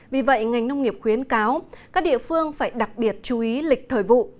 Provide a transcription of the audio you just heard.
vì vậy ngành nông nghiệp khuyến cáo các địa phương phải đặc biệt chú ý lịch thời vụ